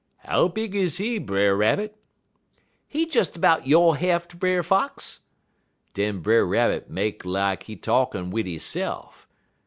"'How big is he, Brer Rabbit?' "'He des 'bout yo' heft, Brer Fox.' Den Brer Rabbit make lak he talkin' wid hisse'f.